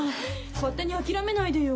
勝手に諦めないでよ。